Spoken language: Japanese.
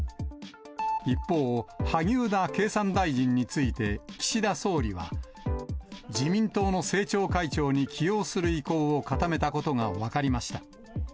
一方、萩生田経産大臣について、岸田総理は、自民党の政調会長に起用する意向を固めたことが分かりました。